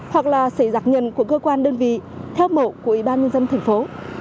hoặc là xe giặc nhận của cơ quan đơn vị theo mẫu của ủy ban nhân dân thành phố